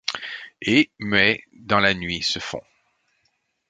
Et, muet, dans la nuit se fond ;